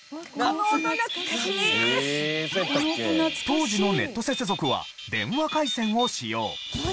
当時のネット接続は電話回線を使用。